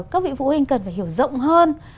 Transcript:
các vị phụ huynh cần phải hiểu rộng hơn